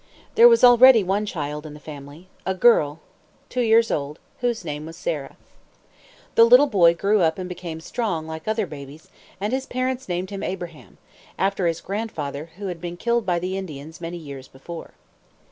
There was already one child in the family a girl, two years old, whose name was Sarah. The little boy grew and became strong like other babies, and his parents named him Abraham, after his grandfather, who had been killed by the Indians many years before.